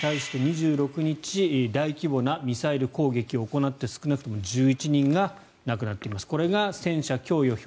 ロシアはウクライナ各地に対して２６日大規模なミサイル攻撃を行って少なくとも１１人が亡くなっています。